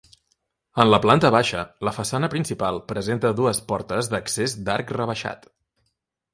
En la planta baixa, la façana principal presenta dues portes d'accés d'arc rebaixat.